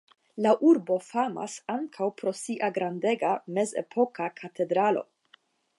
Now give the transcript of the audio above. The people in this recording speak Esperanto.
La urbo famas ankaŭ pro sia grandega mezepoka katedralo.